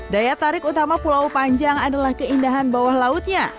daya tarik utama pulau panjang adalah keindahan bawah lautnya